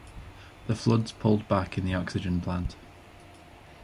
The floods pulled back in the oxygen plant.